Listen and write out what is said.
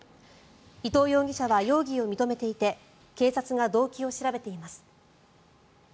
伊藤容疑者は容疑を認めていて警察が動機を調べています。